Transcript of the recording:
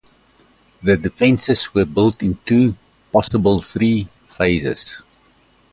The defences were built in two - possibly three - phases.